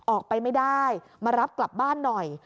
ออกไปไม่ได้มารับกลับบ้านหน่อย